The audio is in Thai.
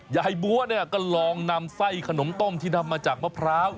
ยายบัวเนี่ยก็ลองนำไส้ขนมต้มที่ทำมาจากมะพร้าว